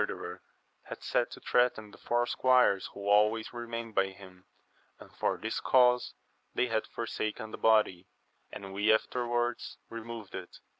derer had sent to threaten the four squires who always remained by him, and for this cause they had forsaken the body, and we afterwards removed it.